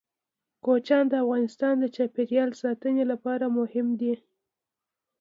کوچیان د افغانستان د چاپیریال ساتنې لپاره مهم دي.